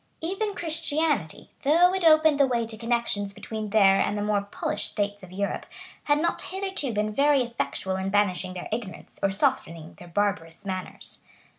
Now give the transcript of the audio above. Even Christianity, though it opened the way to connections between their and the more polished states of Europe, had not hitherto been very effectual in banishing their ignorance, or softening their barbarous manners.